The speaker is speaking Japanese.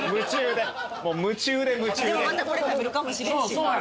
でもまたこれ食べるかもしれんし。